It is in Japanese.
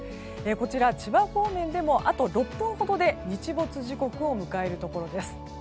こちら、千葉方面でもあと６分ほどで日没時刻を迎えるところです。